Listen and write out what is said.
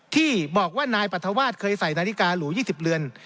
ที่บอกว่านายปรัฐวาสเคยใส่นาฬิกาหรู๒๐เรือน